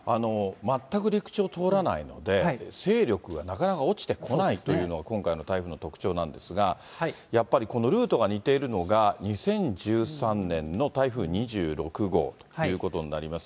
全く陸地を通らないので、勢力がなかなか落ちてこないというのが今回の台風の特徴なんですが、やっぱりこのルートが似ているのが、２０１３年の台風２６号ということになります。